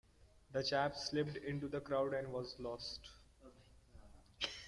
The chap slipped into the crowd and was lost.